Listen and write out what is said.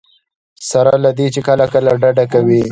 سره له دې چې کله کله ډډه کوي.